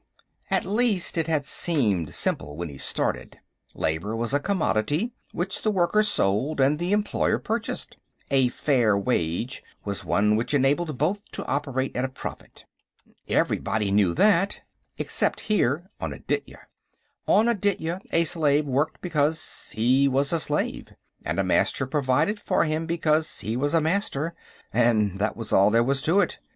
At least, it had seemed simple when he started. Labor was a commodity, which the worker sold and the employer purchased; a "fair wage" was one which enabled both to operate at a profit. Everybody knew that except here on Aditya. On Aditya, a slave worked because he was a slave, and a Master provided for him because he was a Master, and that was all there was to it.